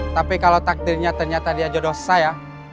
tapi kalau takdirnya ternyata dia jodoh saya